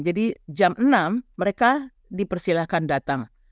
jadi jam enam mereka dipersilahkan datang